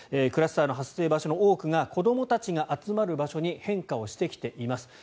クラスターの発生場所の多くが子どもたちの集まる場所に変化をしてきています。